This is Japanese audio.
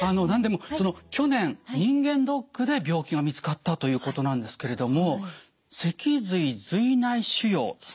何でも去年人間ドックで病気が見つかったということなんですけれども脊髄髄内腫瘍。